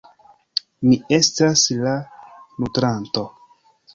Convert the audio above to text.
Mi estas la nutranto.